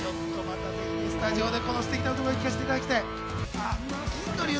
またぜひスタジオでこの歌声を歌声を聴かせていただきたい。